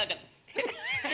・えっ？